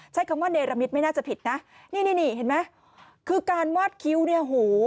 ใช้คำว่าเนรมิตไม่น่าจะผิดนะนี่นี่นี่เห็นไหมคือการวาดคิ้วเนี่ยหู